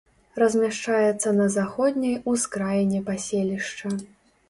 Размяшчаецца на заходняй ускраіне паселішча.